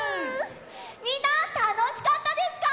みんなたのしかったですか？